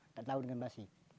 tidak tahu dengan bansi